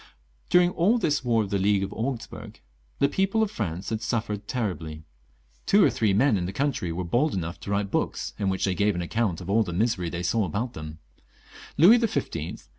During all this war of the League of Augsburg the people of France had suffered terribly. Two or three men in the country were bold enough to write books, in which they gave an account of aU the misery they saw about 2 A 354 LOUIS XIV, [CH. them. Louis XIV.